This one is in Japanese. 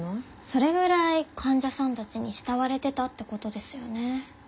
それぐらい患者さんたちに慕われてたって事ですよね。